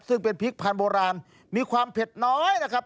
ซึ่งเป็นพริกพันธุโบราณมีความเผ็ดน้อยนะครับ